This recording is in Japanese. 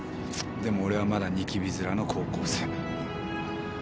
でも俺はまだニキビ面の高校生。